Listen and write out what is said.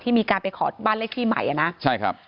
ที่มีการไปขอบ้านเลขที่ใหม่